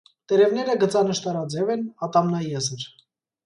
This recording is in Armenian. Տերևները գծանշտարաձև են, ատամնաեզր։